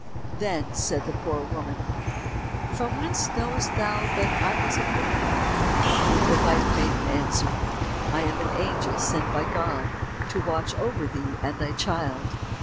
Then said the poor woman, "From whence knowest thou that I was a queen?" The white maiden answered, "I am an angel sent by God, to watch over thee and thy child."